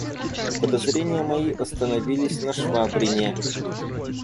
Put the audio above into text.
Подозрения мои остановились на Швабрине.